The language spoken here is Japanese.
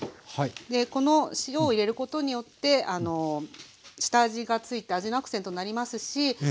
この塩を入れることによって下味がついて味のアクセントになりますしあと火通りがよくなります。